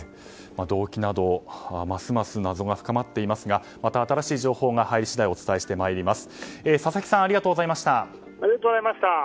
動機などますます謎が深まっていますがまた新しい情報が入り次第お伝えしてまいります。